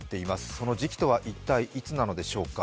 その時期とは一体いつなのでしょうか。